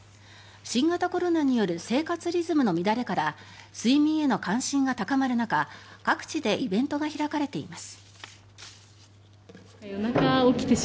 新型コロナによる生活リズムの乱れから睡眠への関心が高まる中各地でイベントが開かれています。